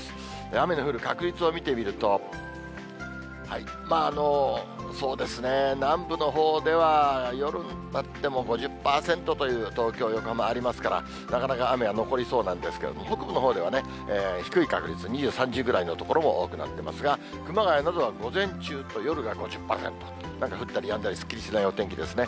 雨の降る確率を見てみると、そうですね、南部のほうでは夜になっても５０％という、東京、横浜、ありますから、なかなか雨は残りそうなんですけども、北部のほうでは低い確率、２０、３０の所も多くなってますが、熊谷などでは午前中と夜が５０％、なんか降ったりやんだり、すっきりしないお天気ですね。